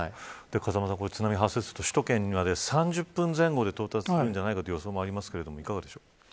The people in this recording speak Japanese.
風間さん、津波が発生すると首都圏には３０分前後で到達するという予想もありますがどうですか。